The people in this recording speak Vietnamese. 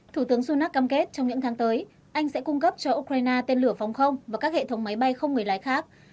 thủ tướng sunak cam kết trong những tháng tới anh sẽ cung cấp cho ukraine tên lửa phòng không và các hệ thống máy bay không người lái khác